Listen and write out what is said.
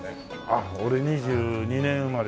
あっ俺２２年生まれだから。